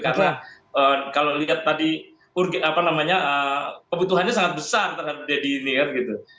karena kalau lihat tadi apa namanya kebutuhannya sangat besar terhadap dedy gitu